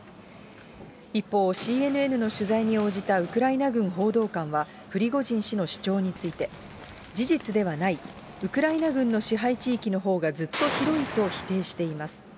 一方、ＣＮＮの取材に応じたウクライナ軍報道官は、プリゴジン氏の主張について、事実ではない、ウクライナ軍の支配地域のほうがずっと広いと否定しています。